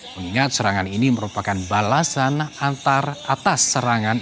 mengingat serangan ini merupakan balasan antar atas serangan